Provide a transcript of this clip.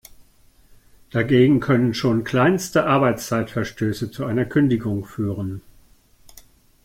Dagegen können schon kleinste Arbeitszeitverstöße zu einer Kündigung führen.